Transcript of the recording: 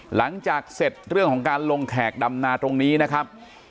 หลังจากเสร็จเรื่องของการลงแขกดำนาตรงนี้นะครับ